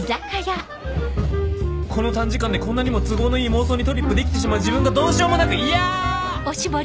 この短時間でこんなにも都合のいい妄想にトリップできてしまう自分がどうしようもなく嫌！